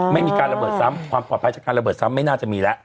ไม่มีการระเบิดซ้ำความปลอดภัยจากการระเบิดซ้ำไม่น่าจะมีแล้ว